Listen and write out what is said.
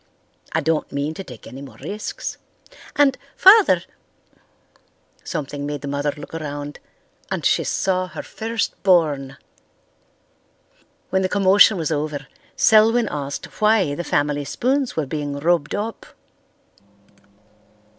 I don't mean to take any more risks. And, Father——" Something made the mother look around, and she saw her first born! When the commotion was over Selwyn asked why the family spoons were being rubbed up.